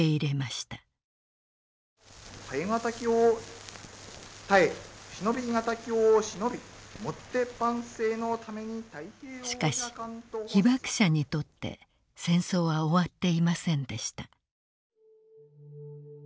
しかし被爆者にとって戦争は終わっていませんでした。